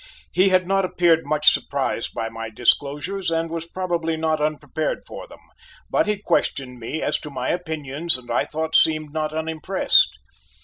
He had not appeared much surprised by my disclosures and was probably not unprepared for them, but he questioned me as to my opinions and I thought seemed not unimpressed.